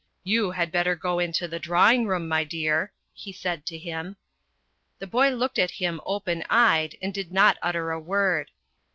" You had better go into the drawing room, my dear," he said to him. The boy looked at him open eyed and did not utter a word.